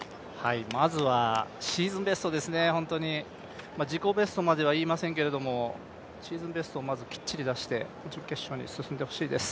まずはシーズンベストですね、自己ベストまでは言いませんけれども、シーズンベストをまずきっちり出して、準決勝に進んでほしいです。